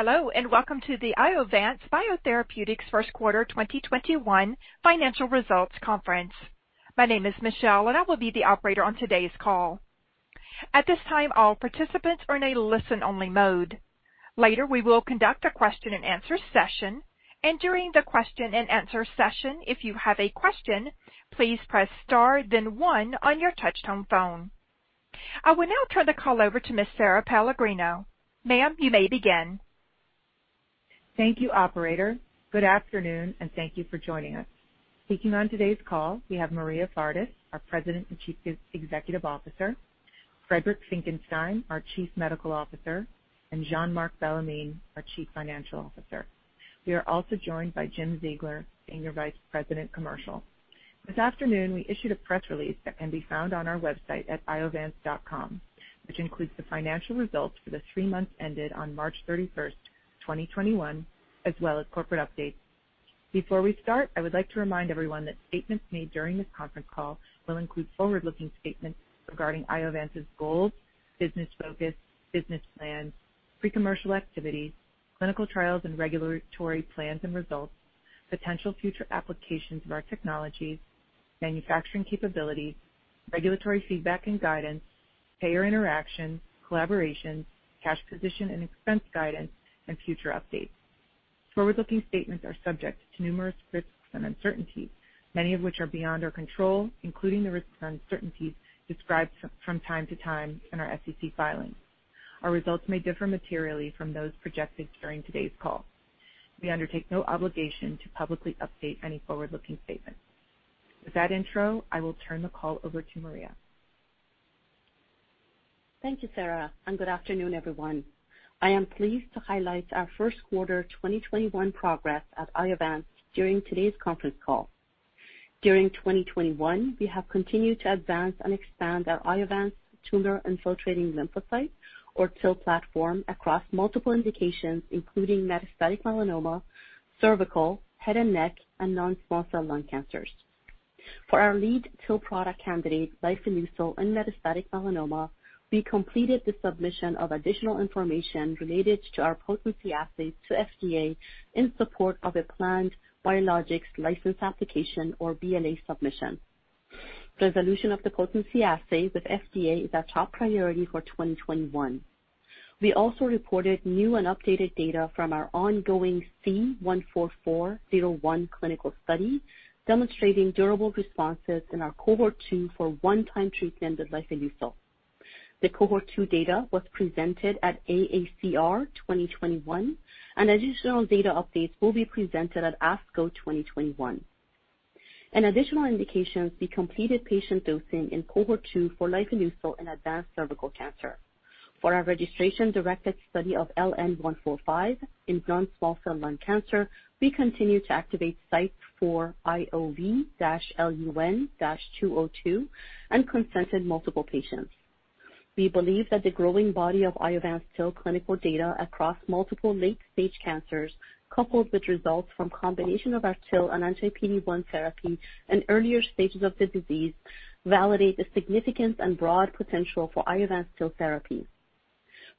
Hello, and welcome to the Iovance Biotherapeutics first quarter 2021 financial results conference. My name is Michelle, and I will be the operator on today's call. At this time, all participants are in a listen-only mode. Later, we will conduct a question and answer session, and during the question and answer session, if you have a question, please press star then one on your touchtone phone. I will now turn the call over to Ms. Sara Pellegrino. Ma'am, you may begin. Thank you, operator. Good afternoon, thank you for joining us. Speaking on today's call, we have Maria Fardis, our President and Chief Executive Officer, Friedrich Graf Finckenstein, our Chief Medical Officer, and Jean-Marc Bellemin, our Chief Financial Officer. We are also joined by Jim Ziegler, Senior Vice President, Commercial. This afternoon, we issued a press release that can be found on our website at iovance.com, which includes the financial results for the three months ended on March 31, 2021, as well as corporate updates. Before we start, I would like to remind everyone that statements made during this conference call will include forward-looking statements regarding Iovance's goals, business focus, business plans, pre-commercial activities, clinical trials and regulatory plans and results, potential future applications of our technologies, manufacturing capabilities, regulatory feedback and guidance, payer interactions, collaborations, cash position and expense guidance, and future updates. Forward-looking statements are subject to numerous risks and uncertainties, many of which are beyond our control, including the risks and uncertainties described from time to time in our SEC filings. Our results may differ materially from those projected during today's call. We undertake no obligation to publicly update any forward-looking statements. With that intro, I will turn the call over to Maria. Thank you, Sara, good afternoon, everyone. I am pleased to highlight our first quarter 2021 progress at Iovance during today's conference call. During 2021, we have continued to advance and expand our Iovance tumor-infiltrating lymphocytes, or TIL platform, across multiple indications, including metastatic melanoma, cervical, head and neck, and non-small cell lung cancers. For our lead TIL product candidate, lifileucel in metastatic melanoma, we completed the submission of additional information related to our potency assays to FDA in support of a planned biologics license application or BLA submission. Resolution of the potency assay with FDA is our top priority for 2021. We also reported new and updated data from our ongoing C-144-01 clinical study, demonstrating durable responses in our cohort 2 for one-time treatment with lifileucel. The cohort 2 data was presented at AACR 2021, additional data updates will be presented at ASCO 2021. In additional indications, we completed patient dosing in cohort 2 for lifileucel in advanced cervical cancer. For our registration-directed study of LN-145 in non-small cell lung cancer, we continue to activate sites for IOV-LUN-202 and consented multiple patients. We believe that the growing body of Iovance TIL clinical data across multiple late-stage cancers, coupled with results from combination of our TIL and anti-PD-1 therapy in earlier stages of the disease, validate the significance and broad potential for Iovance TIL therapy.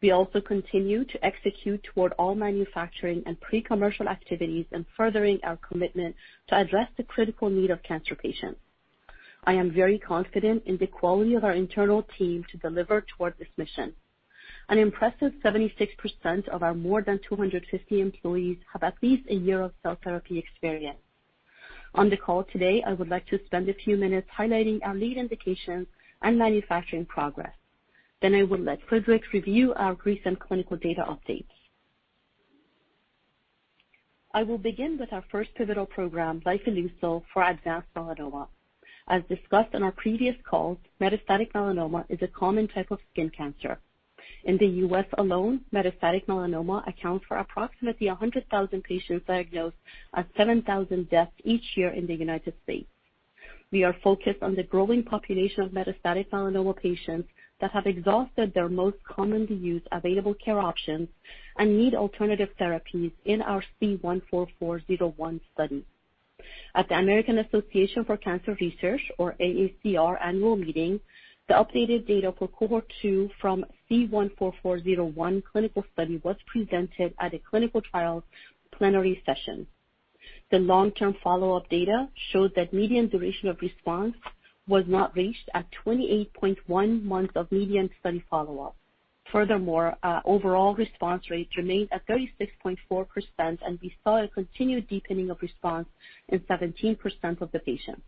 We also continue to execute toward all manufacturing and pre-commercial activities in furthering our commitment to address the critical need of cancer patients. I am very confident in the quality of our internal team to deliver toward this mission. An impressive 76% of our more than 250 employees have at least a year of cell therapy experience. On the call today, I would like to spend a few minutes highlighting our lead indications and manufacturing progress. I will let Friedrich review our recent clinical data updates. I will begin with our first pivotal program, lifileucel, for advanced melanoma. As discussed on our previous calls, metastatic melanoma is a common type of skin cancer. In the U.S. alone, metastatic melanoma accounts for approximately 100,000 patients diagnosed and 7,000 deaths each year in the United States. We are focused on the growing population of metastatic melanoma patients that have exhausted their most commonly used available care options and need alternative therapies in our C-144-01 study. At the American Association for Cancer Research, or AACR, Annual Meeting, the updated data for cohort 2 from C-144-01 clinical study was presented at a clinical trials plenary session. The long-term follow-up data showed that median duration of response was not reached at 28.1 months of median study follow-up. Furthermore, overall response rate remained at 36.4%, and we saw a continued deepening of response in 17% of the patients.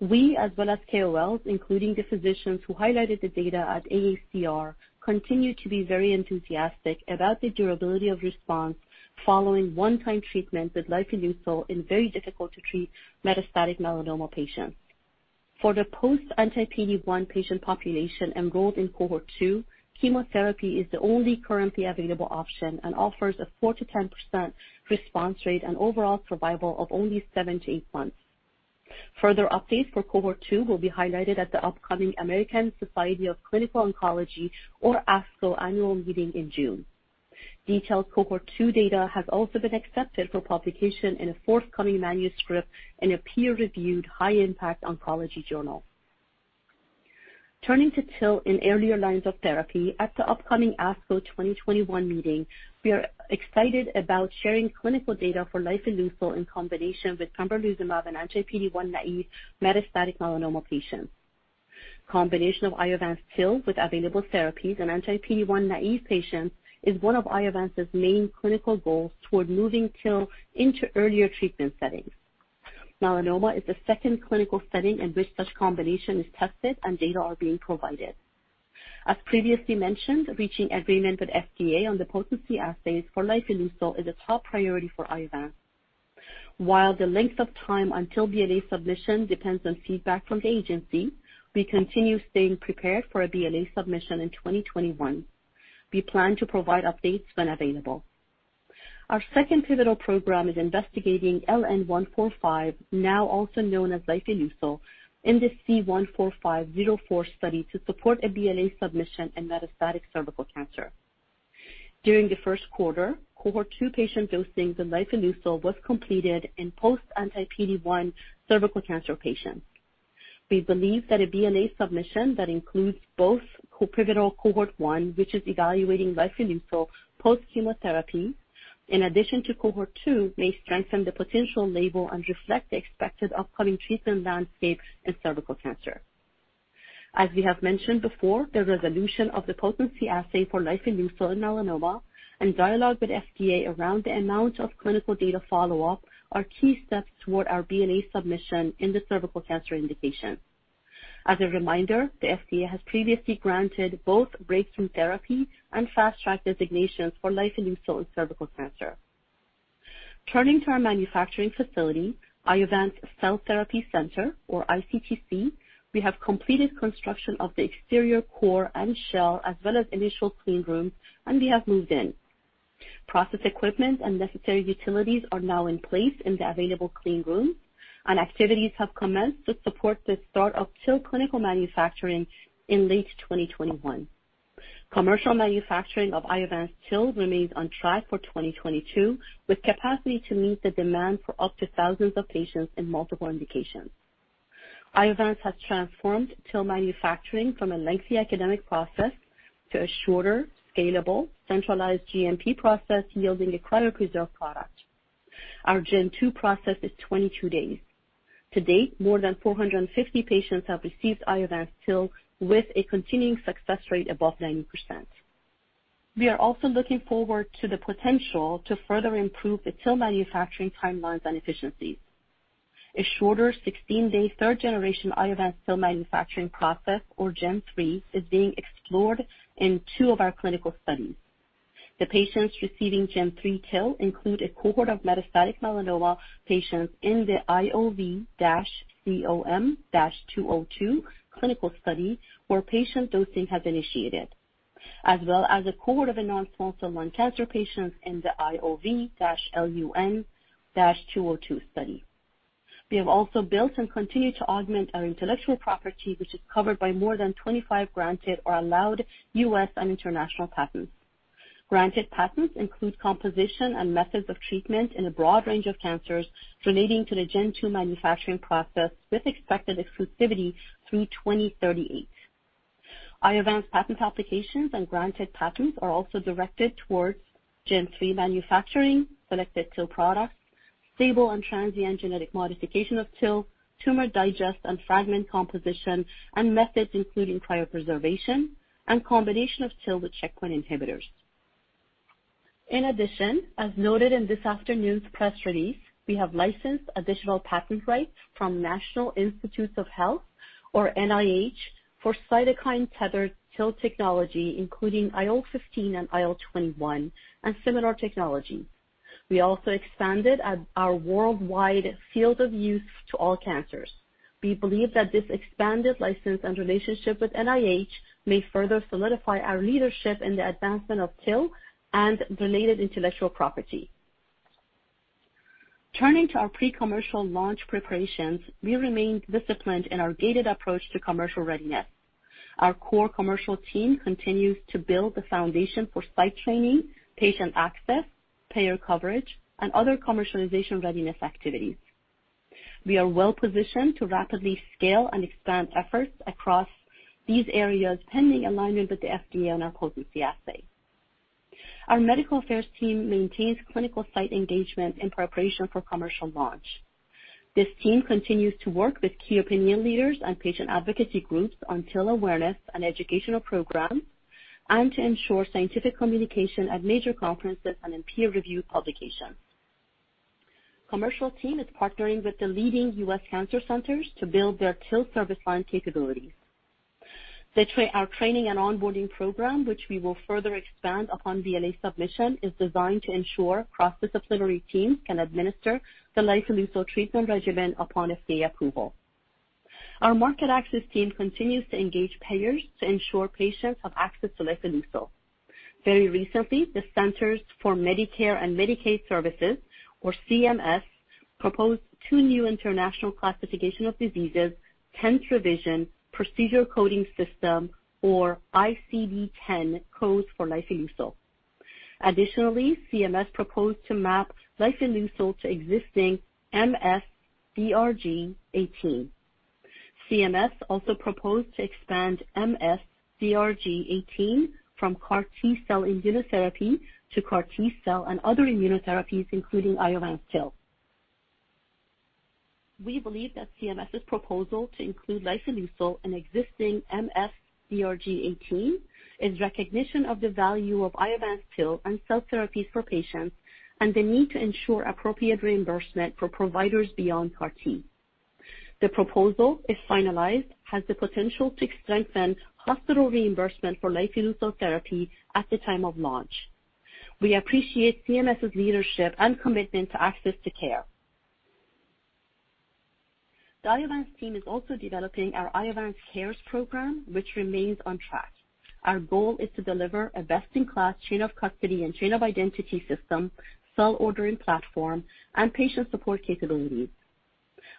We, as well as KOLs, including the physicians who highlighted the data at AACR, continue to be very enthusiastic about the durability of response following one-time treatment with lifileucel in very difficult to treat metastatic melanoma patients. For the post-anti-PD-1 patient population enrolled in cohort 2, chemotherapy is the only currently available option and offers a 4%-10% response rate and overall survival of only seven to eight months. Further updates for cohort 2 will be highlighted at the upcoming American Society of Clinical Oncology, or ASCO, Annual Meeting in June. Detailed cohort 2 data has also been accepted for publication in a forthcoming manuscript in a peer-reviewed, high-impact oncology journal. Turning to TIL in earlier lines of therapy, at the upcoming ASCO 2021 meeting, we are excited about sharing clinical data for lifileucel in combination with pembrolizumab in anti-PD-1-naive metastatic melanoma patients. Combination of Iovance TIL with available therapies in anti-PD-1-naive patients is one of Iovance's main clinical goals toward moving TIL into earlier treatment settings. Melanoma is the second clinical setting in which such combination is tested and data are being provided. As previously mentioned, reaching agreement with FDA on the potency assays for lifileucel is a top priority for Iovance. While the length of time until BLA submission depends on feedback from the agency, we continue staying prepared for a BLA submission in 2021. We plan to provide updates when available. Our second pivotal program is investigating LN-145, now also known as lifileucel, in the C-145-04 study to support a BLA submission in metastatic cervical cancer. During the first quarter, cohort 2 patient dosing the lifileucel was completed in post anti-PD-1 cervical cancer patients. We believe that a BLA submission that includes both pivotal cohort 1, which is evaluating lifileucel post-chemotherapy, in addition to cohort 2, may strengthen the potential label and reflect the expected upcoming treatment landscapes in cervical cancer. As we have mentioned before, the resolution of the potency assay for lifileucel in melanoma and dialogue with FDA around the amount of clinical data follow-up are key steps toward our BLA submission in the cervical cancer indication. As a reminder, the FDA has previously granted both breakthrough therapy and fast track designations for lifileucel in cervical cancer. Turning to our manufacturing facility, Iovance Cell Therapy Center, or ICTC, we have completed construction of the exterior core and shell as well as initial clean rooms, and we have moved in. Process equipment and necessary utilities are now in place in the available clean rooms, and activities have commenced to support the start of TIL clinical manufacturing in late 2021. Commercial manufacturing of Iovance TIL remains on track for 2022, with capacity to meet the demand for up to thousands of patients in multiple indications. Iovance has transformed TIL manufacturing from a lengthy academic process to a shorter, scalable, centralized GMP process yielding a cryopreserved product. Our Gen 2 process is 22 days. To date, more than 450 patients have received Iovance TIL with a continuing success rate above 90%. We are also looking forward to the potential to further improve the TIL manufacturing timelines and efficiencies. A shorter 16-day third-generation Iovance TIL manufacturing process, or Gen 3, is being explored in two of our clinical studies. The patients receiving Gen 3 TIL include a cohort of metastatic melanoma patients in the IOV-COM-202 clinical study, where patient dosing has initiated, as well as a cohort of non-small cell lung cancer patients in the IOV-LUN-202 study. We have also built and continue to augment our intellectual property, which is covered by more than 25 granted or allowed U.S. and international patents. Granted patents include composition and methods of treatment in a broad range of cancers relating to the Gen 2 manufacturing process, with expected exclusivity through 2038. Iovance patent applications and granted patents are also directed towards Gen 3 manufacturing, selected TIL products, stable and transient genetic modification of TIL, tumor digest and fragment composition, and methods including cryopreservation and combination of TIL with checkpoint inhibitors. In addition, as noted in this afternoon's press release, we have licensed additional patent rights from National Institutes of Health, or NIH, for cytokine-tethered TIL technology, including IL-15 and IL-21 and similar technology. We also expanded our worldwide field of use to all cancers. We believe that this expanded license and relationship with NIH may further solidify our leadership in the advancement of TIL and related intellectual property. Turning to our pre-commercial launch preparations, we remained disciplined in our gated approach to commercial readiness. Our core commercial team continues to build the foundation for site training, patient access, payer coverage, and other commercialization readiness activities. We are well positioned to rapidly scale and expand efforts across these areas, pending alignment with the FDA on our potency assay. Our medical affairs team maintains clinical site engagement in preparation for commercial launch. This team continues to work with Key Opinion Leaders and patient advocacy groups on TIL awareness and educational programs and to ensure scientific communication at major conferences and in peer-reviewed publications. Commercial team is partnering with the leading U.S. cancer centers to build their TIL service line capabilities. Our training and onboarding program, which we will further expand upon BLA submission, is designed to ensure cross-disciplinary teams can administer the lifileucel treatment regimen upon FDA approval. Our market access team continues to engage payers to ensure patients have access to lifileucel. Very recently, the Centers for Medicare & Medicaid Services, or CMS, proposed two new International Classification of Diseases, 10th Revision, Procedure Coding System, or ICD-10, codes for lifileucel. Additionally, CMS proposed to map lifileucel to existing MS-DRG 018. CMS also proposed to expand MS-DRG 018 from CAR T-cell immunotherapy to CAR T-cell and other immunotherapies, including Iovance TIL. We believe that CMS's proposal to include lifileucel in existing MS-DRG 018 is recognition of the value of Iovance TIL and cell therapies for patients, and the need to ensure appropriate reimbursement for providers beyond CAR T. The proposal, if finalized, has the potential to strengthen hospital reimbursement for lifileucel therapy at the time of launch. We appreciate CMS's leadership and commitment to access to care. The Iovance team is also developing our IovanceCares program, which remains on track. Our goal is to deliver a best-in-class chain of custody and chain of identity system, cell ordering platform, and patient support capabilities.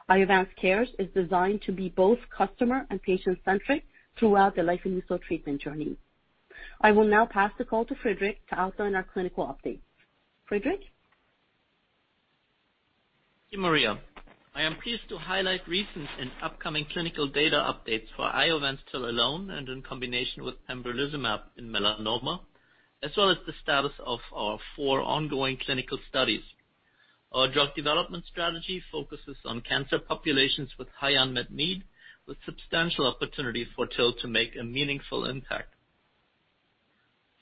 IovanceCares is designed to be both customer and patient-centric throughout the lifileucel treatment journey. I will now pass the call to Friedrich to outline our clinical updates. Friedrich? Thank you, Maria. I am pleased to highlight recent and upcoming clinical data updates for Iovance TIL alone and in combination with pembrolizumab in melanoma, as well as the status of our four ongoing clinical studies. Our drug development strategy focuses on cancer populations with high unmet need, with substantial opportunities for TIL to make a meaningful impact.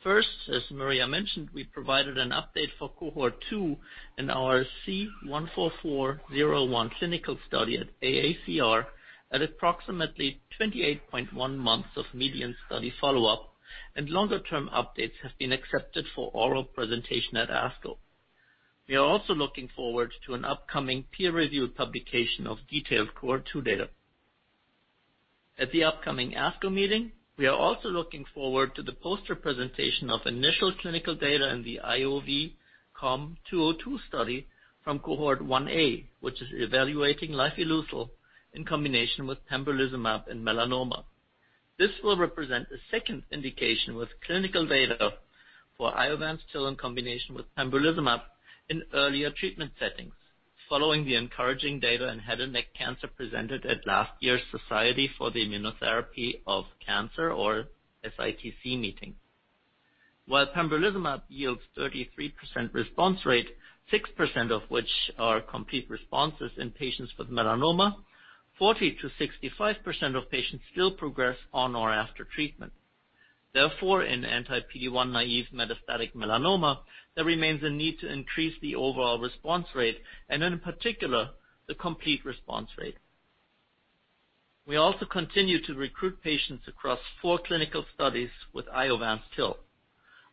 First, as Maria mentioned, we provided an update for cohort 2 in our C-144-01 clinical study at AACR at approximately 28.1 months of median study follow-up. Longer-term updates have been accepted for oral presentation at ASCO. We are also looking forward to an upcoming peer-reviewed publication of detailed cohort 2 data. At the upcoming ASCO meeting, we are also looking forward to the poster presentation of initial clinical data in the IOV-COM-202 study from cohort 1A, which is evaluating lifileucel in combination with pembrolizumab in melanoma. This will represent the second indication with clinical data for Iovance TIL in combination with pembrolizumab in earlier treatment settings, following the encouraging data in head and neck cancer presented at last year's Society for the Immunotherapy of Cancer, or SITC meeting. While pembrolizumab yields 33% response rate, 6% of which are complete responses in patients with melanoma, 40%-65% of patients still progress on or after treatment. In anti-PD-1 naive metastatic melanoma, there remains a need to increase the overall response rate, and in particular, the complete response rate. We also continue to recruit patients across four clinical studies with Iovance TIL.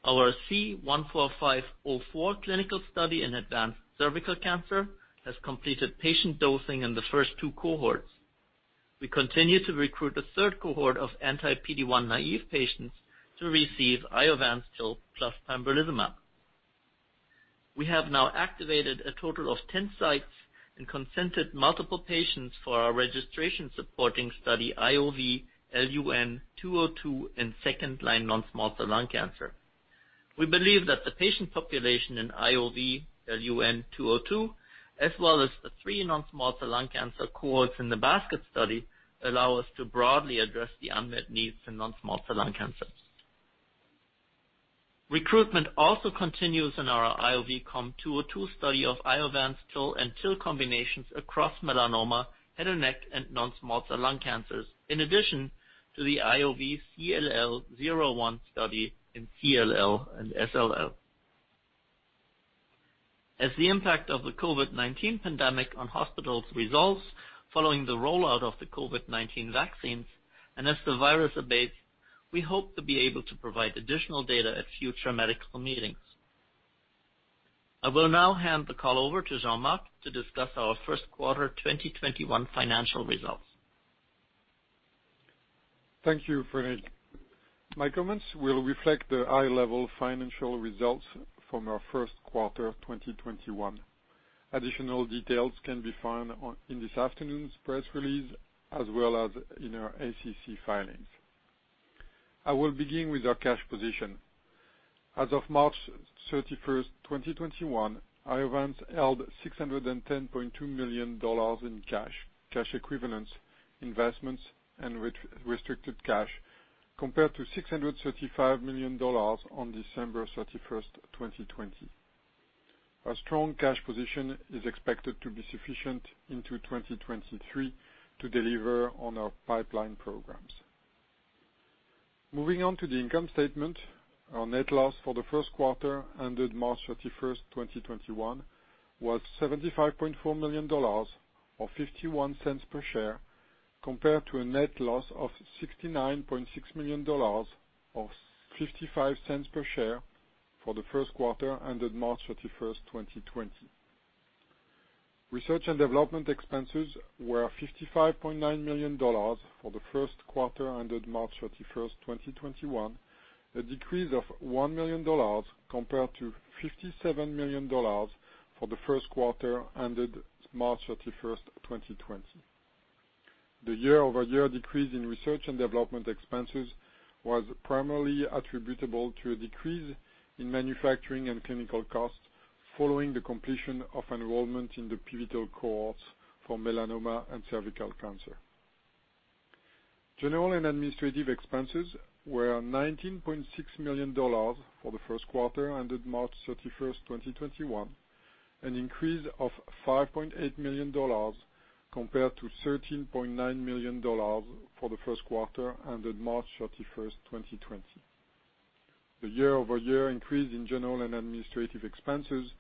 Our C-145-04 clinical study in advanced cervical cancer has completed patient dosing in the first two cohorts. We continue to recruit a third cohort of anti-PD-1 naive patients to receive Iovance TIL plus pembrolizumab. We have now activated a total of 10 sites and consented multiple patients for our registration supporting study IOV-LUN-202 in second-line non-small cell lung cancer. We believe that the patient population in IOV-LUN-202, as well as the three non-small cell lung cancer cohorts in the basket study, allow us to broadly address the unmet needs for non-small cell lung cancers. Recruitment also continues in our IOV-COM-202 study of Iovance TIL and TIL combinations across melanoma, head and neck, and non-small cell lung cancers, in addition to the IOV-CLL-01 study in CLL and SLL. As the impact of the COVID-19 pandemic on hospitals resolves following the rollout of the COVID-19 vaccines, and as the virus abates, we hope to be able to provide additional data at future medical meetings. I will now hand the call over to Jean-Marc to discuss our first quarter 2021 financial results. Thank you, Friedrich. My comments will reflect the high-level financial results from our first quarter 2021. Additional details can be found in this afternoon's press release, as well as in our SEC filings. I will begin with our cash position. As of March 31, 2021, Iovance held $610.2 million in cash equivalents, investments, and restricted cash, compared to $635 million on December 31, 2020. Our strong cash position is expected to be sufficient into 2023 to deliver on our pipeline programs. Moving on to the income statement. Our net loss for the first quarter ended March 31st, 2021, was $75.4 million, or $0.51 per share, compared to a net loss of $69.6 million or $0.55 per share for the first quarter ended March 31st, 2020. Research and development expenses were $55.9 million for the first quarter ended March 31st, 2021, a decrease of $1 million compared to $57 million for the first quarter ended March 31st, 2020. The year-over-year decrease in research and development expenses was primarily attributable to a decrease in manufacturing and clinical costs following the completion of enrollment in the pivotal cohorts for melanoma and cervical cancer. General and administrative expenses were $19.6 million for the first quarter ended March 31st, 2021, an increase of $5.8 million compared to $13.9 million for the first quarter ended March 31st, 2020. The year-over-year increase in general and administrative expenses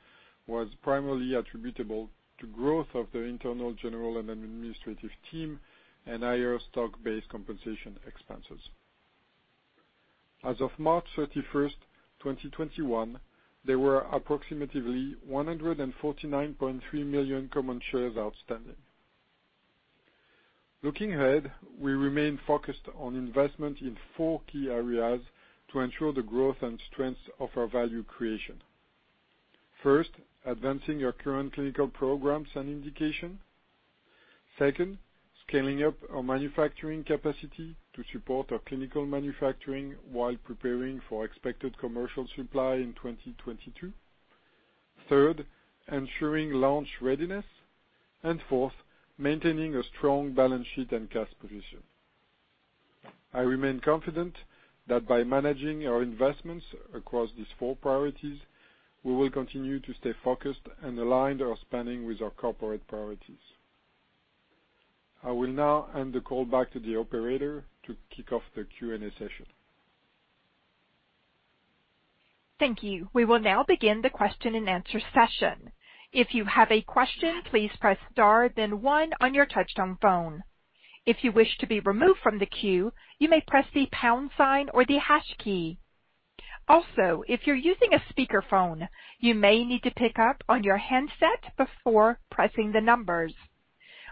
was primarily attributable to growth of the internal general and administrative team and higher stock-based compensation expenses. As of March 31st, 2021, there were approximately 149.3 million common shares outstanding. Looking ahead, we remain focused on investment in four key areas to ensure the growth and strength of our value creation. First, advancing our current clinical programs and indication. Second, scaling up our manufacturing capacity to support our clinical manufacturing while preparing for expected commercial supply in 2022. Third, ensuring launch readiness. Fourth, maintaining a strong balance sheet and cash position. I remain confident that by managing our investments across these four priorities, we will continue to stay focused and align our spending with our corporate priorities. I will now hand the call back to the operator to kick off the Q&A session. Thank you. We will now begin the question and answer session. If you have a question, please press star then one on your touchtone phone. If you wish to be removed from the queue, you may press the pound sign or the hash key. Also, if you're using a speakerphone, you may need to pick up on your handset before pressing the numbers.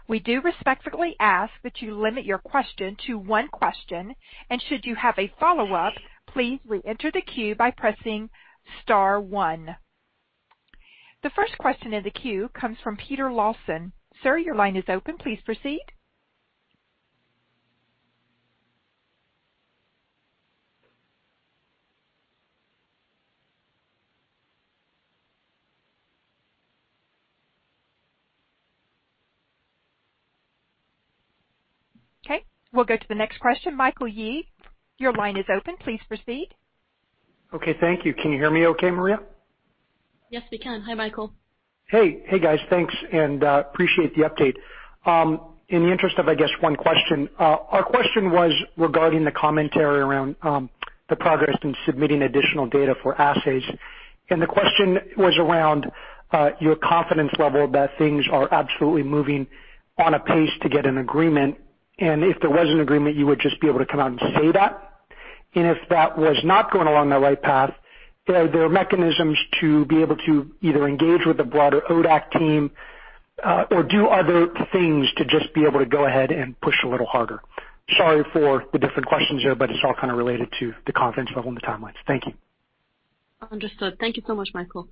We do respectfully ask that you limit your question to one question, and should you have a follow-up, please re-enter the queue by pressing star one. The first question in the queue comes from Peter Lawson. Sir, your line is open. Please proceed. Okay, we'll go to the next question. Michael Yee, your line is open. Please proceed. Okay. Thank you. Can you hear me okay, Maria? Yes, we can. Hi, Michael. Hey. Hey, guys. Thanks. Appreciate the update. In the interest of, I guess, one question, our question was regarding the commentary around the progress in submitting additional data for assays. The question was around your confidence level that things are absolutely moving on a pace to get an agreement, and if there was an agreement, you would just be able to come out and say that? If that was not going along the right path, are there mechanisms to be able to either engage with the broader ODAC team or do other things to just be able to go ahead and push a little harder? Sorry for the different questions there. It's all kind of related to the confidence level and the timelines. Thank you. Understood. Thank you so much, Michael.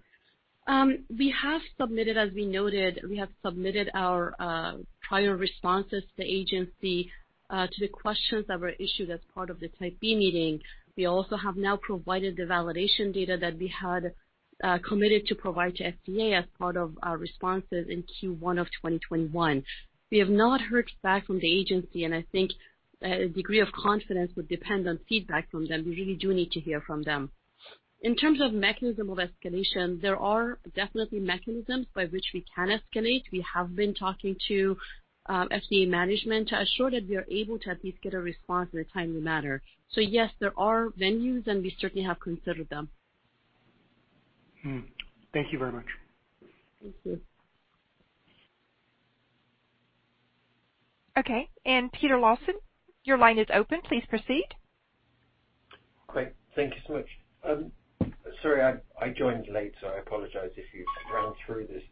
We have submitted, as we noted, we have submitted our prior responses to the agency to the questions that were issued as part of the Type B meeting. We also have now provided the validation data that we had committed to provide to FDA as part of our responses in Q1 of 2021. We have not heard back from the agency, and I think a degree of confidence would depend on feedback from them. We really do need to hear from them. In terms of mechanism of escalation, there are definitely mechanisms by which we can escalate. We have been talking to FDA management to assure that we are able to at least get a response in a timely manner. Yes, there are venues, and we certainly have considered them. Thank you very much. Thank you. Okay, Peter Lawson, your line is open. Please proceed. Great. Thank you so much. Sorry, I joined late, so I apologize if you've ran through this.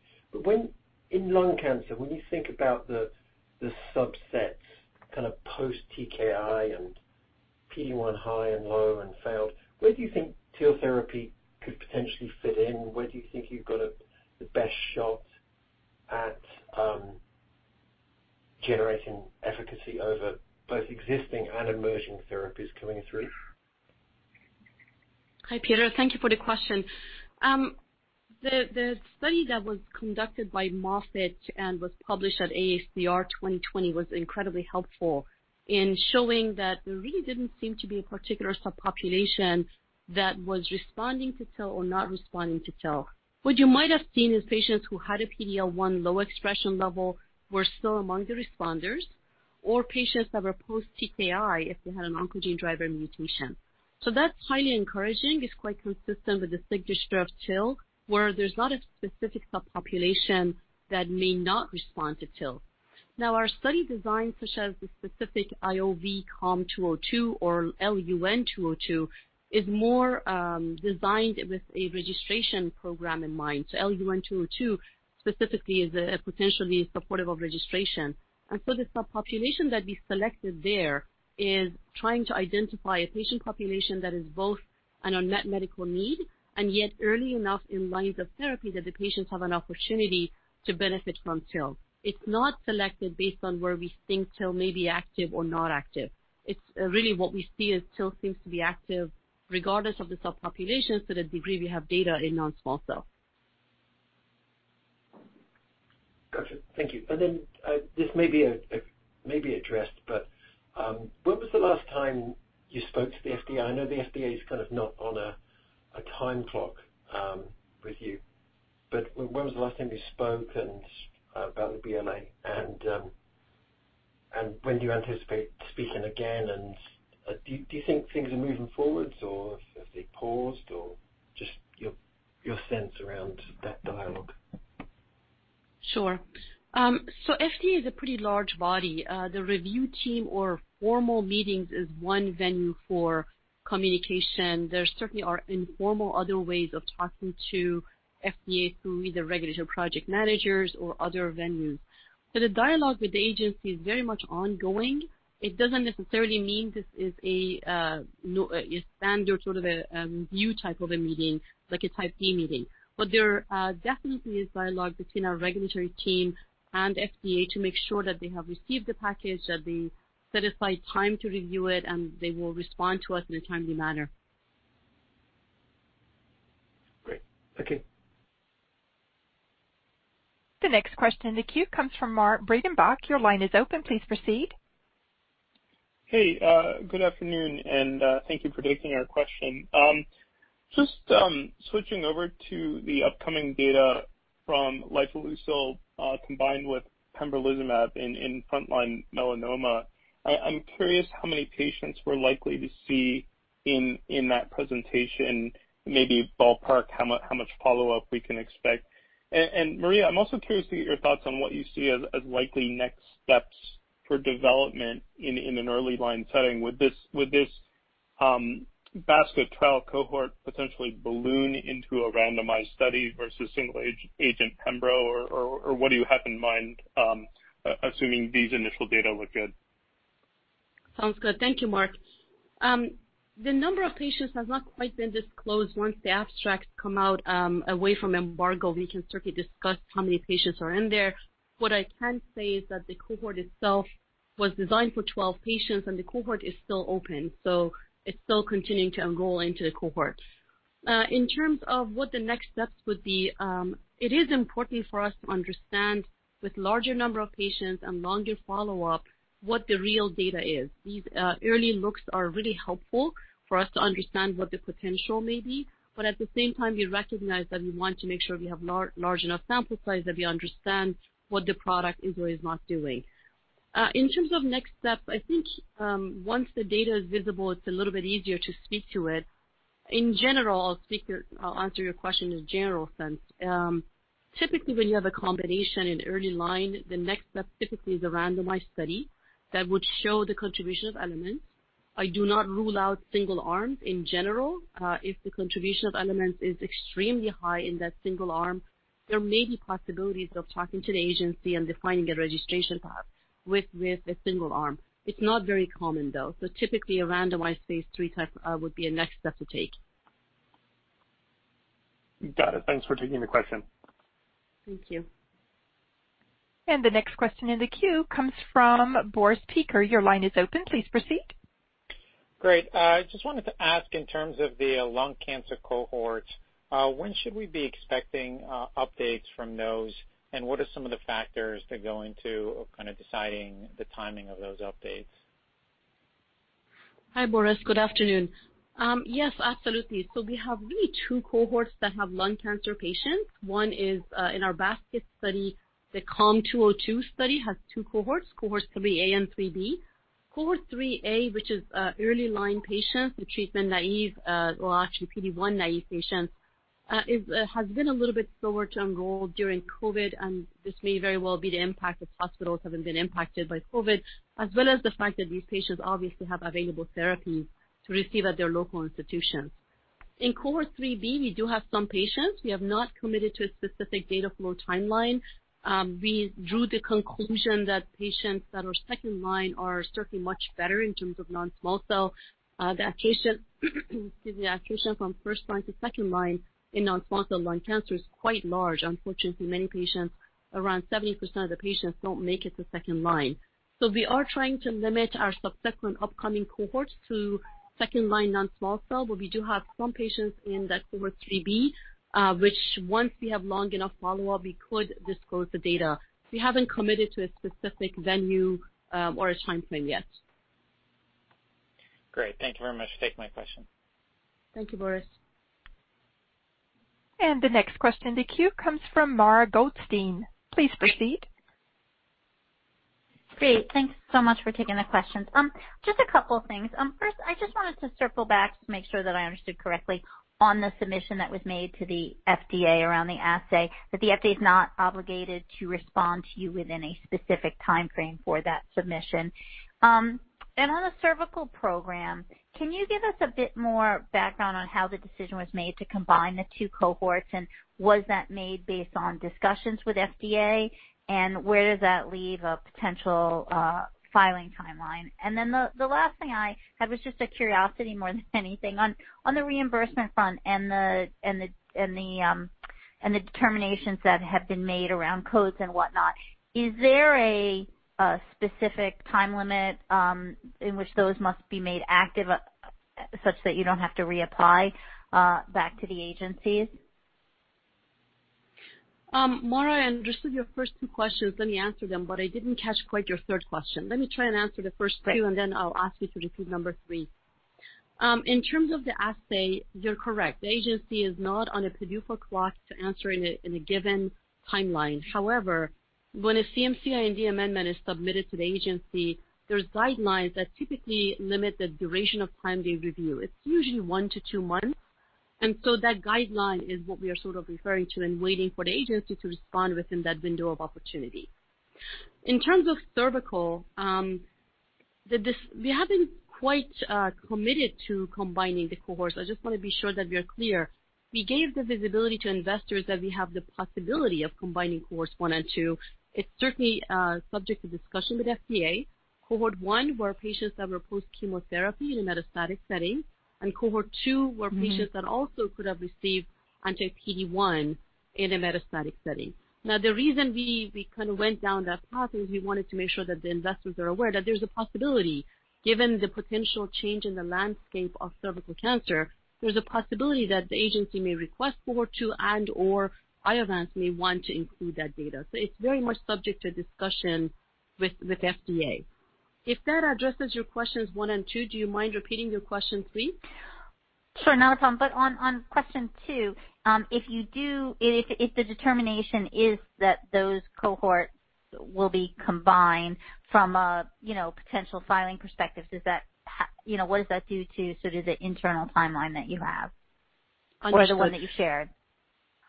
In lung cancer, when you think about the subsets kind of post TKI and PD-1 high and low and failed, where do you think TIL therapy could potentially fit in? Where do you think you've got the best shot at generating efficacy over both existing and emerging therapies coming through? Hi, Peter. Thank you for the question. The study that was conducted by Moffitt and was published at AACR 2020 was incredibly helpful in showing that there really didn't seem to be a particular subpopulation that was responding to TIL or not responding to TIL. What you might have seen is patients who had a PD-L1 low expression level were still among the responders, or patients that were post TKI if they had an oncogene driver mutation. That's highly encouraging. It's quite consistent with the signature of TIL, where there's not a specific subpopulation that may not respond to TIL. Now, our study design, such as the specific IOV-COM-202 or LUN-202, is more designed with a registration program in mind. LUN202 specifically is potentially supportive of registration. The subpopulation that we selected there is trying to identify a patient population that is both on that medical need, and yet early enough in lines of therapy that the patients have an opportunity to benefit from TIL. It's not selected based on where we think TIL may be active or not active. It's really what we see as TIL seems to be active regardless of the subpopulations to the degree we have data in non-small cell. Got you. Thank you. This may be addressed, when was the last time you spoke to the FDA? I know the FDA's kind of not on a time clock with you, when was the last time you spoke about the BLA, when do you anticipate speaking again, do you think things are moving forwards or have they paused, or just your sense around that dialogue? Sure. FDA is a pretty large body. The review team or formal meetings is one venue for communication. There certainly are informal other ways of talking to FDA through either regulatory project managers or other venues. The dialogue with the agency is very much ongoing. It doesn't necessarily mean this is a standard sort of a review type of a meeting, like a Type D meeting. There definitely is dialogue between our regulatory team and FDA to make sure that they have received the package, that they set aside time to review it, and they will respond to us in a timely manner. Great. Thank you. The next question in the queue comes from Mark Breidenbach. Your line is open. Please proceed. Hey, good afternoon, and thank you for taking our question. Just switching over to the upcoming data from lifileucel combined with pembrolizumab in frontline melanoma. I'm curious how many patients we're likely to see in that presentation, maybe ballpark how much follow-up we can expect. Maria, I'm also curious to get your thoughts on what you see as likely next steps for development in an early line setting. Would this basket trial cohort potentially balloon into a randomized study versus single agent pembro, or what do you have in mind, assuming these initial data look good? Sounds good. Thank you, Mark. The number of patients has not quite been disclosed. Once the abstracts come out away from embargo, we can certainly discuss how many patients are in there. What I can say is that the cohort itself was designed for 12 patients, and the cohort is still open, so it's still continuing to enroll into the cohort. In terms of what the next steps would be, it is important for us to understand with larger number of patients and longer follow-up what the real data is. These early looks are really helpful for us to understand what the potential may be. At the same time, we recognize that we want to make sure we have large enough sample size that we understand what the product is or is not doing. In terms of next steps, I think, once the data is visible, it's a little bit easier to speak to it. In general, I'll answer your question in a general sense. Typically, when you have a combination in early line, the next step typically is a randomized study that would show the contribution of elements. I do not rule out single arms. In general, if the contribution of elements is extremely high in that single arm, there may be possibilities of talking to the agency and defining a registration path with a single arm. It's not very common, though. Typically, a randomized phase III type would be a next step to take. Got it. Thanks for taking the question. Thank you. The next question in the queue comes from Boris Peaker. Your line is open. Please proceed. Great. I just wanted to ask in terms of the lung cancer cohort, when should we be expecting updates from those, and what are some of the factors that go into kind of deciding the timing of those updates? Hi, Boris. Good afternoon. Yes, absolutely. We have really two cohorts that have lung cancer patients. One is in our basket study. The COM-202 study has two cohorts, cohort 3A and 3B. Cohort 3A, which is early-line patients, the treatment naive, well, actually PD-1 naive patients, has been a little bit slower to enroll during COVID. This may very well be the impact of hospitals having been impacted by COVID, as well as the fact that these patients obviously have available therapies to receive at their local institutions. In cohort 3B, we do have some patients. We have not committed to a specific data flow timeline. We drew the conclusion that patients that are second-line are certainly much better in terms of non-small cell. Excuse me. Attrition from first-line to second-line in non-small cell lung cancer is quite large. Unfortunately, many patients, around 70% of the patients, don't make it to second line. We are trying to limit our subsequent upcoming cohorts to second line non-small cell, but we do have some patients in that cohort 3B, which once we have long enough follow-up, we could disclose the data. We haven't committed to a specific venue or a timeframe yet. Great. Thank you very much for taking my question. Thank you, Boris. The next question in the queue comes from Mara Goldstein. Please proceed. Great. Thanks so much for taking the questions. Just a couple of things. First, I just wanted to circle back to make sure that I understood correctly on the submission that was made to the FDA around the assay, that the FDA's not obligated to respond to you within a specific timeframe for that submission? On the cervical program, can you give us a bit more background on how the decision was made to combine the two cohorts, and was that made based on discussions with FDA, and where does that leave a potential filing timeline? The last thing I had was just a curiosity more than anything. On the reimbursement front and the determinations that have been made around codes and whatnot, is there a specific time limit in which those must be made active such that you don't have to reapply back to the agencies? Mara, I understood your first two questions, let me answer them, but I didn't catch quite your third question. Let me try and answer the first two, and then I'll ask you to repeat number three. In terms of the assay, you're correct. The agency is not on a PDUFA clock to answer in a given timeline. However, when a CMC IND amendment is submitted to the agency, there's guidelines that typically limit the duration of time they review. It's usually one to two months, and so that guideline is what we are sort of referring to and waiting for the agency to respond within that window of opportunity. In terms of cervical, we haven't quite committed to combining the cohorts. I just want to be sure that we are clear. We gave the visibility to investors that we have the possibility of combining cohorts 1 and 2. It's certainly subject to discussion with FDA. Cohort 1 were patients that were post-chemotherapy in a metastatic setting, and cohort 2 were patients that also could have received anti-PD-1 in a metastatic setting. The reason we kind of went down that path is we wanted to make sure that the investors are aware that there's a possibility, given the potential change in the landscape of cervical cancer. There's a possibility that the agency may request cohort 2 and/or Iovance may want to include that data. It's very much subject to discussion with FDA. If that addresses your questions 1 and 2, do you mind repeating your question three? Sure, not a problem. On question two, if the determination is that those cohorts will be combined from a potential filing perspective, what does that do to sort of the internal timeline that you have? Or the one that you shared.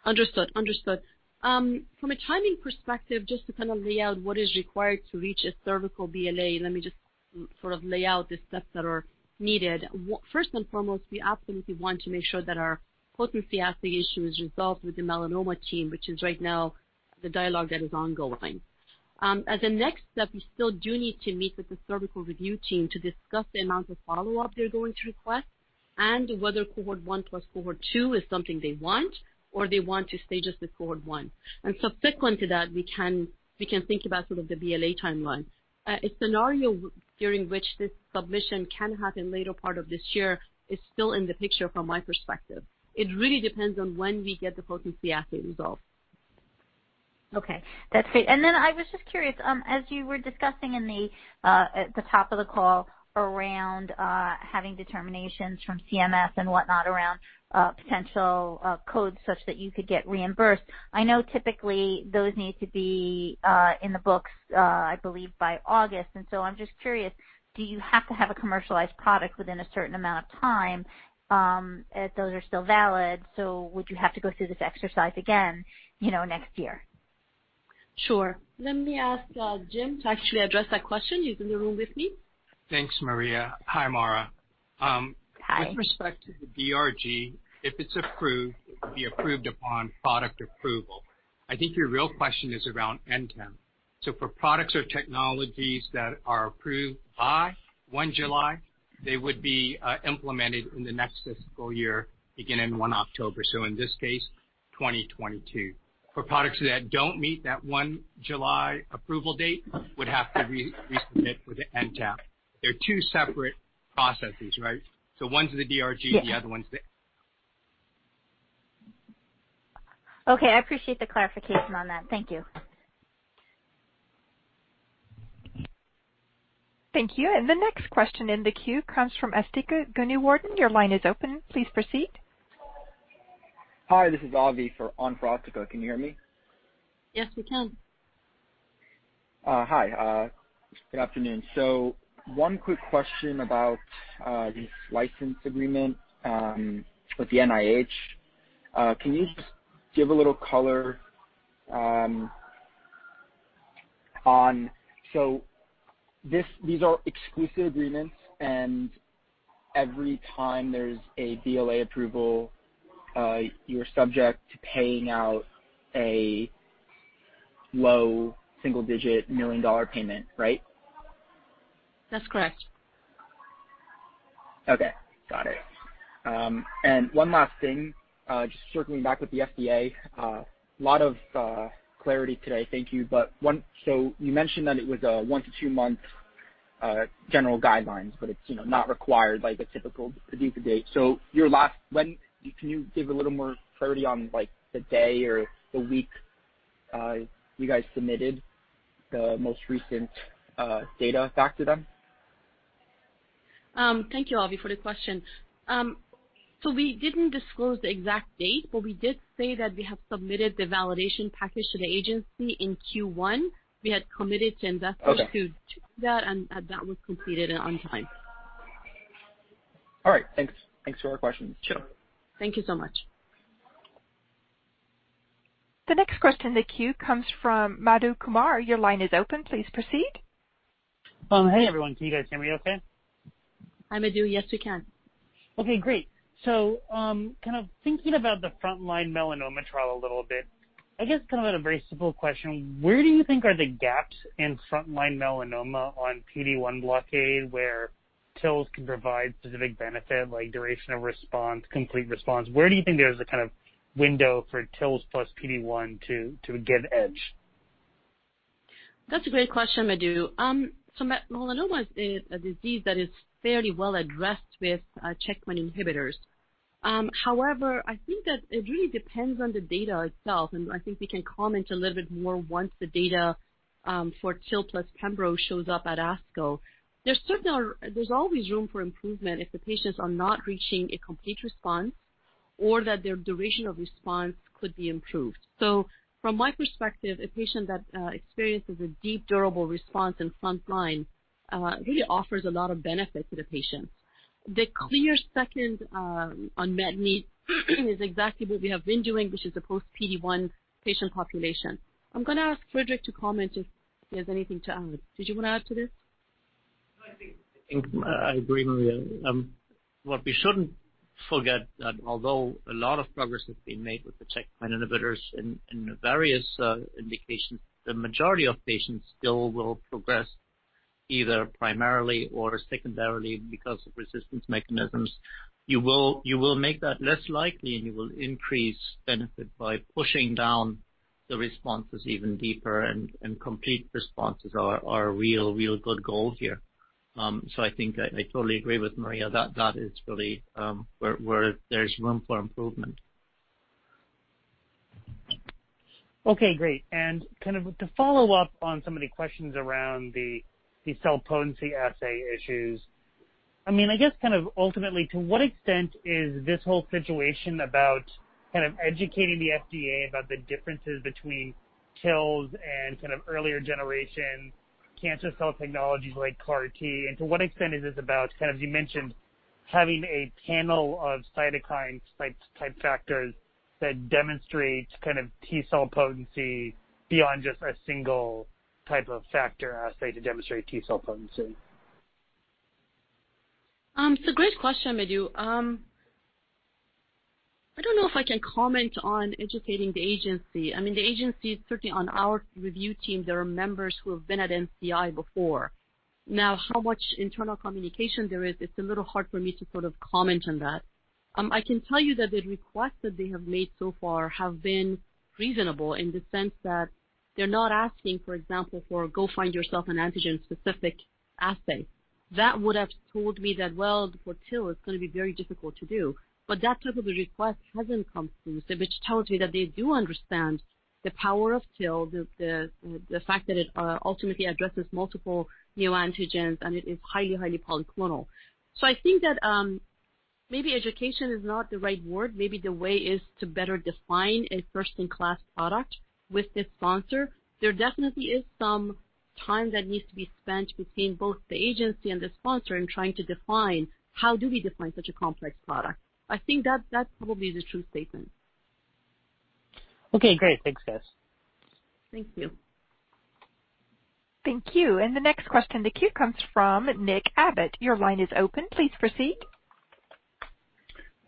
Understood. From a timing perspective, just to kind of lay out what is required to reach a cervical BLA, let me just sort of lay out the steps that are needed. First and foremost, we absolutely want to make sure that our potency assay issue is resolved with the melanoma team, which is right now the dialogue that is ongoing. As a next step, we still do need to meet with the cervical review team to discuss the amount of follow-up they're going to request, and whether cohort 1 plus cohort 2 is something they want, or they want to stay just with cohort 1. Subsequent to that, we can think about sort of the BLA timeline. A scenario during which this submission can happen later part of this year is still in the picture from my perspective. It really depends on when we get the potency assay results. Okay, that's great. I was just curious, as you were discussing at the top of the call around having determinations from CMS and whatnot around potential codes such that you could get reimbursed. I know typically those need to be in the books, I believe, by August. I'm just curious, do you have to have a commercialized product within a certain amount of time? If those are still valid, so would you have to go through this exercise again next year? Sure. Let me ask Jim to actually address that question. He's in the room with me. Thanks, Maria. Hi, Mara. Hi. With respect to the DRG, if it's approved, it would be approved upon product approval. I think your real question is around NTAP. For products or technologies that are approved by 1 July, they would be implemented in the next fiscal year, beginning 1 October. In this case, 2022. For products that don't meet that 1 July approval date would have to resubmit for the NTAP. They're two separate processes, right? One's the DRG, the other one's the- Okay. I appreciate the clarification on that. Thank you. Thank you. The next question in the queue comes from Asthika Goonewardene. Your line is open. Please proceed. Hi, this is Avi for Asthika. Can you hear me? Yes, we can. Hi. Good afternoon. One quick question about this license agreement with the NIH. Can you just give a little color on these are exclusive agreements, and every time there's a BLA approval, you're subject to paying out a low single-digit million-dollar payment, right? That's correct. Okay. Got it. One last thing, just circling back with the FDA. Lot of clarity today. Thank you. You mentioned that it was a one to two month general guidelines, but it's not required like a typical PDUFA date. Can you give a little more clarity on the day or the week you guys submitted the most recent data back to them? Thank you, Avi, for the question. We didn't disclose the exact date, but we did say that we have submitted the validation package to the agency in Q1. We had committed to investors- Okay to do that, and that was completed on time. All right. Thanks for the questions. Sure. Thank you so much. The next question in the queue comes from Madhu Kumar. Your line is open. Please proceed. Hey, everyone. Can you guys hear me okay? Hi, Madhu. Yes, we can. Okay, great. Thinking about the frontline melanoma trial a little bit, I guess kind of on a very simple question, where do you think are the gaps in frontline melanoma on PD-1 blockade, where TILs can provide specific benefit, like duration of response, complete response? Where do you think there's a kind of window for TILs plus PD-1 to give edge? That's a great question, Madhu. Melanoma is a disease that is fairly well addressed with checkpoint inhibitors. However, I think that it really depends on the data itself, and I think we can comment a little bit more once the data for TIL plus pembro shows up at ASCO. There's always room for improvement if the patients are not reaching a complete response or that their duration of response could be improved. From my perspective, a patient that experiences a deep durable response in front line really offers a lot of benefit to the patient. The clear second unmet need is exactly what we have been doing, which is the post PD-1 patient population. I'm going to ask Friedrich to comment if he has anything to add. Did you want to add to this? I think I agree, Maria. What we shouldn't forget, that although a lot of progress has been made with the checkpoint inhibitors in the various indications, the majority of patients still will progress either primarily or secondarily because of resistance mechanisms. You will make that less likely, and you will increase benefit by pushing down the responses even deeper, and complete responses are a real good goal here. I think I totally agree with Maria, that is really where there's room for improvement. Okay, great. To follow up on some of the questions around the T-cell potency assay issues, I guess ultimately, to what extent is this whole situation about educating the FDA about the differences between TILs and earlier generation cancer cell technologies like CAR T? To what extent is this about, as you mentioned, having a panel of cytokine type factors that demonstrate T-cell potency beyond just a single type of factor assay to demonstrate T-cell potency? It's a great question, Madhu. I don't know if I can comment on educating the agency. The agency is certainly on our review team. There are members who have been at NCI before. How much internal communication there is, it's a little hard for me to comment on that. I can tell you that the requests that they have made so far have been reasonable in the sense that they're not asking, for example, for go find yourself an antigen-specific assay. That would have told me that, well, for TIL, it's going to be very difficult to do. That type of a request hasn't come through, which tells me that they do understand the power of TIL, the fact that it ultimately addresses multiple neoantigens, and it is highly polyclonal. I think that maybe education is not the right word. Maybe the way is to better define a first-in-class product with this sponsor. There definitely is some time that needs to be spent between both the agency and the sponsor in trying to define how do we define such a complex product. I think that probably is a true statement. Okay, great. Thanks, guys. Thank you. Thank you. The next question in the queue comes from [Nick Abbott]. Your line is open. Please proceed.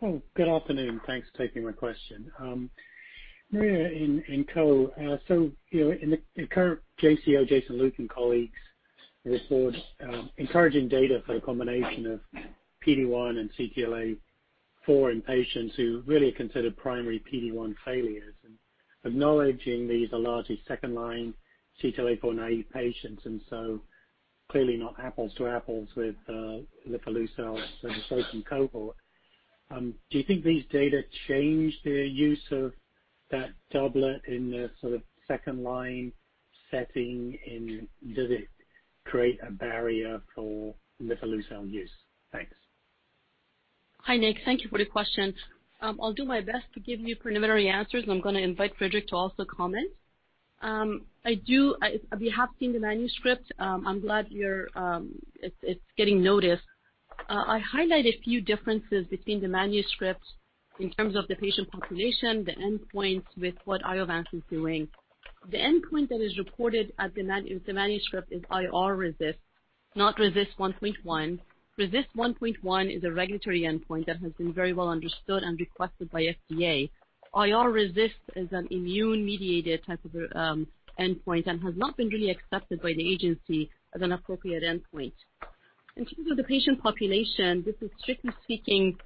Oh, good afternoon, and thanks for taking my question. Maria and co., in the current JCO, Jason Luke and colleagues report encouraging data for the combination of PD-1 and CTLA-4 in patients who really are considered primary PD-1 failures and acknowledging these are largely second-line CTLA-4 naive patients, clearly not apples to apples with lifileucel. The associated cohort, do you think these data change the use of that doublet in the sort of second-line setting, and does it create a barrier for lifileucel use? Thanks. Hi, Nick. Thank you for the question. I'll do my best to give you preliminary answers, and I'm going to invite Friedrich to also comment. We have seen the manuscript. I'm glad it's getting noticed. I highlight a few differences between the manuscript in terms of the patient population, the endpoint with what Iovance is doing. The endpoint that is reported in the manuscript is irRECIST, not RECIST 1.1. RECIST 1.1 is a regulatory endpoint that has been very well understood and requested by FDA. irRECIST is an immune-mediated type of endpoint and has not been really accepted by the agency as an appropriate endpoint. In terms of the patient population, this is strictly speaking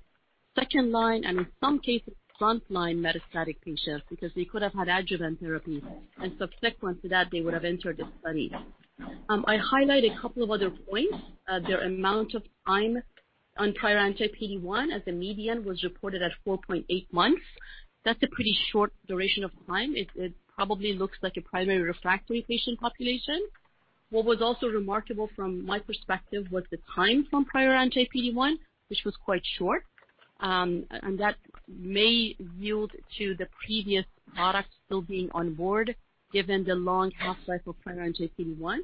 second line and in some cases front line metastatic patients because they could have had adjuvant therapy and subsequent to that, they would have entered the study. I highlight a couple of other points. Their amount of time on prior anti-PD-1 as a median was reported at 4.8 months. That's a pretty short duration of time. It probably looks like a primary refractory patient population. What was also remarkable from my perspective was the time from prior anti-PD-1, which was quite short. That may yield to the previous product still being on board, given the long half-life of prior anti-PD-1.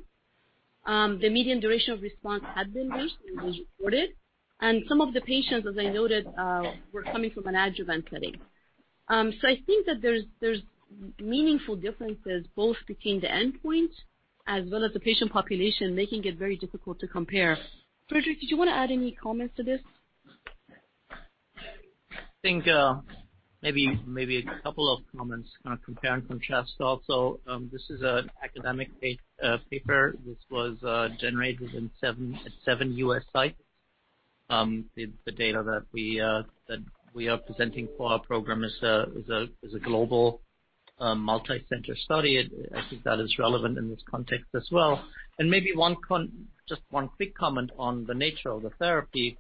The median duration of response had been reached and was reported. Some of the patients, as I noted, were coming from an adjuvant setting. I think that there's meaningful differences both between the endpoint as well as the patient population, making it very difficult to compare. Friedrich, did you want to add any comments to this? I think maybe a couple of comments kind of comparing from Shattuck. This is an academic paper. This was generated at seven U.S. sites. The data that we are presenting for our program is a global multicenter study. I think that is relevant in this context as well. Maybe just one quick comment on the nature of the therapy.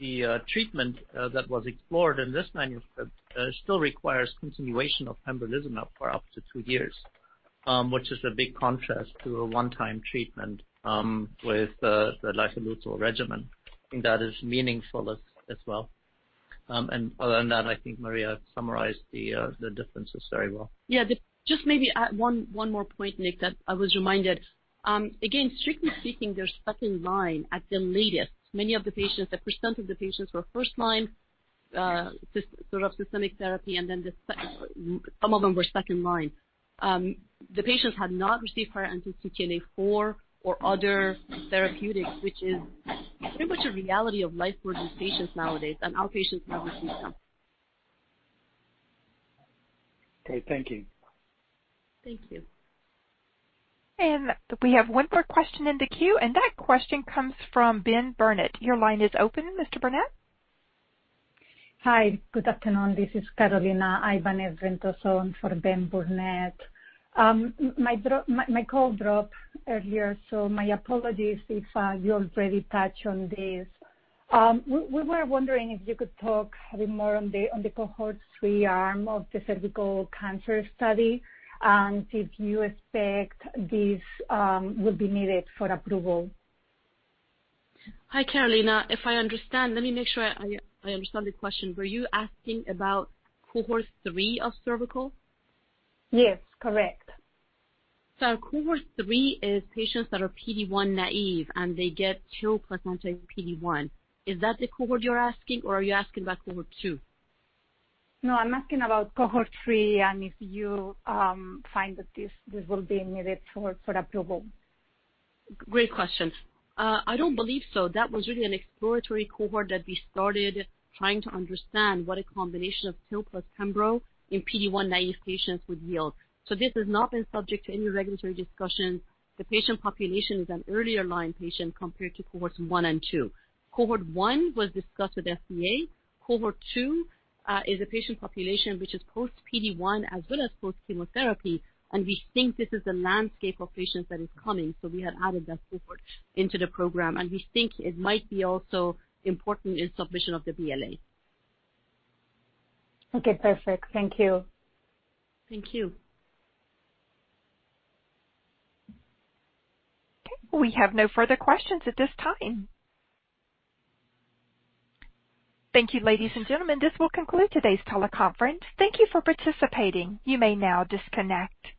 The treatment that was explored in this manuscript still requires continuation of pembrolizumab for up to two years, which is a big contrast to a one-time treatment with the lifileucel regimen. I think that is meaningful as well. Other than that, I think Maria summarized the differences very well. Yeah. Just maybe one more point, Nick, that I was reminded. Again, strictly speaking, they're second-line at the latest. Many of the patients, a percentage of the patients were first-line systemic therapy, and then some of them were second-line. The patients had not received prior anti-CTLA-4 or other therapeutics, which is pretty much a reality of life for these patients nowadays, and our patients have received them. Okay. Thank you. Thank you. We have one more question in the queue, that question comes from Ben Burnett. Your line is open, Mr. Burnett. Hi, good afternoon. This is Carolina Ibanez Ventoso for Ben Burnett. My call dropped earlier. My apologies if you already touched on this. We were wondering if you could talk a bit more on the cohort 3 arm of the cervical cancer study and if you expect this would be needed for approval. Hi, Carolina. If I understand, let me make sure I understand the question. Were you asking about cohort 3 of cervical? Yes, correct. Cohort 3 is patients that are PD-1 naive, and they get two plus anti-PD-1. Is that the cohort you're asking, or are you asking about cohort 2? No, I'm asking about cohort 3 and if you find that this will be needed for approval. Great question. I don't believe so. That was really an exploratory cohort that we started trying to understand what a combination of TIL plus pembro in PD-1-naive patients would yield. This has not been subject to any regulatory discussion. The patient population is an earlier line patient compared to cohorts 1 and 2. Cohort 1 was discussed with FDA. Cohort 2 is a patient population, which is post-PD-1 as well as post-chemotherapy. We think this is the landscape of patients that is coming. We had added that cohort into the program, and we think it might be also important in submission of the BLA. Okay, perfect. Thank you. Thank you. Okay, we have no further questions at this time. Thank you, ladies and gentlemen. This will conclude today's teleconference. Thank you for participating. You may now disconnect.